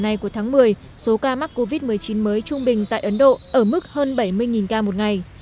này của tháng một mươi số ca mắc covid một mươi chín mới trung bình tại ấn độ ở mức hơn bảy mươi ca một ngày